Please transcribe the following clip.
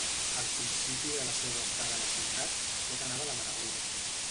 Al principi de la seua estada a la ciutat tot anava de meravella.